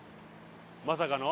まさかの？